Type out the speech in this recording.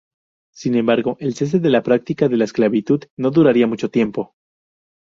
Sin embargo, el cese de la práctica de la esclavitud no duraría mucho tiempo.